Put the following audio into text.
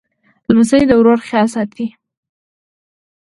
لمسی د ورور خیال ساتي.